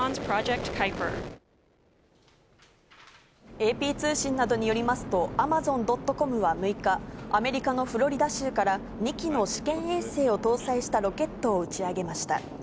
ＡＰ通信などによりますと、アマゾン・ドット・コムは６日、アメリカのフロリダ州から、２基の試験衛星を搭載したロケットを打ち上げました。